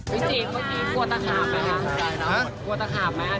พี่เจสเมื่อกี้กลัวตะขาบไหมนะ